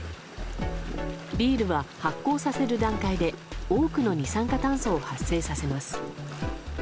ビールは発酵させる段階で多くの二酸化炭素を発生させます。